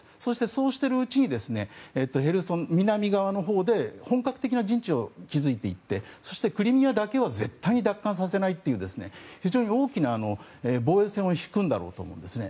そうしているうちにヘルソンの南側のほうで本格的な陣地を築いていってそしてクリミアだけは絶対に奪還させないという非常に大きな防衛線を引くんだろうと思うんですね。